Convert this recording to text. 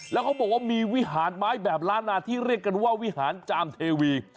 แล้วเขาบอกว่ามีวิหารไม้แบบล้านนาที่เรียกกันว่าวิหารจามเทวี